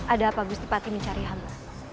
ada apa gusti pati mencari hamba